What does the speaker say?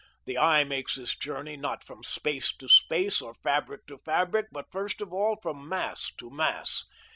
The eye makes this journey, not from space to space, or fabric to fabric, but first of all from mass to mass.